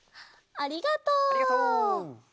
ありがとう。